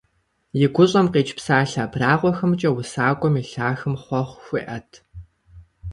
И гущӀэм къикӀ псалъэ абрагъуэхэмкӀэ усакӀуэм и лъахэм хъуэхъу хуеӀэт.